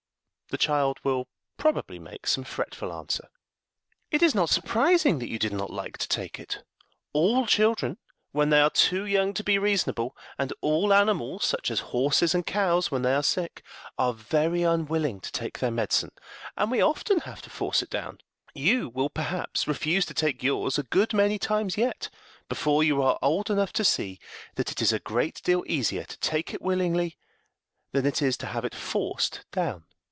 The child will probably make some fretful answer. [Illustration: STORY OF THE HORSE.] "It is not surprising that you did not like to take it. All children, while they are too young to be reasonable, and all animals, such as horses and cows, when they are sick, are very unwilling to take their medicine, and we often have to force it down. You will, perhaps, refuse to take yours a good many times yet before you are old enough to see that it is a great deal easier to take it willingly than it is to have it forced down."